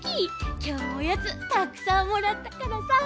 きょうもおやつたくさんもらったからさ。